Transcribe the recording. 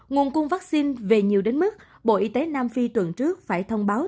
nguồn cung vaccine về nhiều đến mức bộ y tế nam phi tuần trước phải thông báo